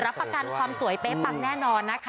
รับประกันความสวยเป๊ะปังแน่นอนนะคะ